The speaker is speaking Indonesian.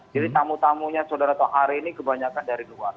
jadi tamu tamunya saudara tohari ini kebanyakan dari luar